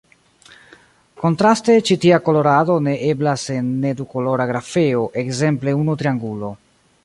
Kontraste, ĉi tia kolorado ne eblas en ne-dukolora grafeo, ekzemple unu triangulo.